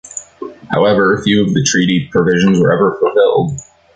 However, few of the treaty provisions were ever fulfilled.